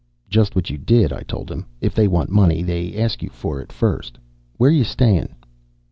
"Just what you did," I told him. "If they want money, they ask you for it first. Where you staying?"